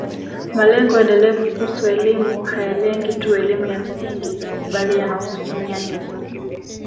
Malengo endelevu kuhusu elimu hayalengi tu elimu ya msingi bali yanahusu nyanja zote